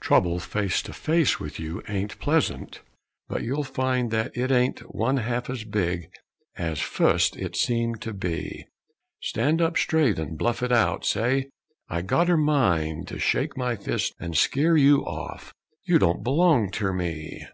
Trouble face to face with you ain't pleasant, but you'll find That it ain't one ha'f as big as fust it seemed to be; Stand up straight and bluff it out! Say, "I gotter a mind To shake my fist and skeer you off you don't belong ter me!"